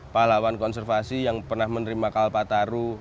pahlawan konservasi yang pernah menerima kalpataru